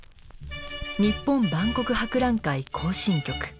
「日本万国博覧会行進曲」。